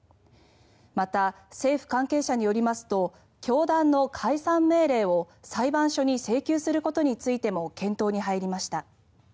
また、政府関係者によりますと教団の解散命令を裁判所に請求することについても検討に入りました。